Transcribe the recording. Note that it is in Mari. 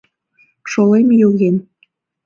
Шолем йоген.